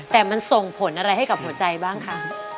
แต่มันส่งผลอะไรให้กับหัวใจบ้างคะ